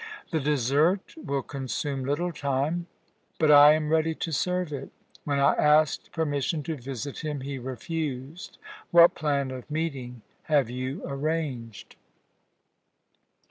The dessert will consume little time, but I am ready to serve it. When I asked permission to visit him he refused. What plan of meeting have you arranged?"